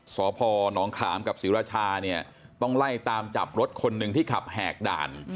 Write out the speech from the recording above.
สพนขามกับศรีราชาเนี่ยต้องไล่ตามจับรถคนหนึ่งที่ขับแหกด่าน